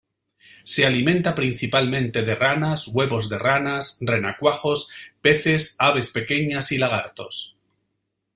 Se alimenta principalmente de ranas, huevos de ranas, renacuajos, peces, aves pequeñas y lagartos.